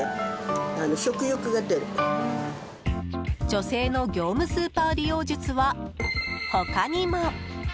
女性の業務スーパー利用術は他にも。